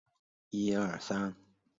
该剧标题采用书画家王王孙题字。